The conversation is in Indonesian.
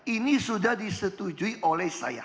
ini sudah disetujui oleh saya